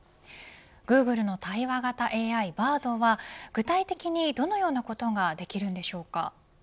グーグルの対話型ＡＩＢａｒｄは具体的にどんなことができるのでしょうか。